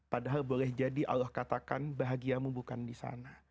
padahal boleh jadi allah katakan bahagiamu bukan di sana